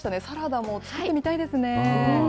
サラダも作ってみたいですね。